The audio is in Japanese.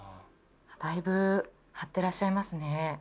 だいぶ張ってらっしゃいますね。